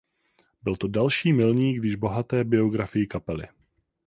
Byl to další milník v již bohaté biografii kapely.